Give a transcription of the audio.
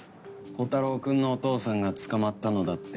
コタローくんのお父さんが捕まったのだって